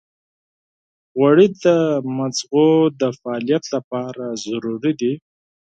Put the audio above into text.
غوړې د مغز د فعالیت لپاره ضروري دي.